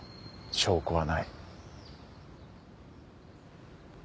証拠はない。